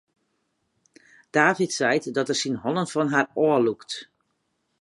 David seit dat er syn hannen fan har ôflûkt.